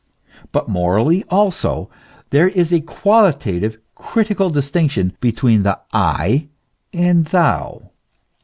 But morally, also, there is a qualitative, critical distinction between the I and tliou.